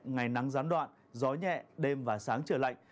ngày nắng gián đoạn gió nhẹ đêm và sáng trời lạnh